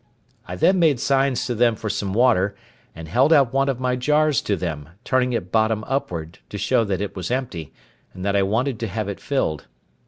I then made signs to them for some water, and held out one of my jars to them, turning it bottom upward, to show that it was empty, and that I wanted to have it filled.